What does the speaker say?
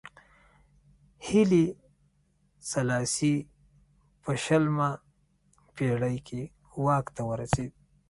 هیلي سلاسي په شلمه پېړۍ کې واک ته ورسېد.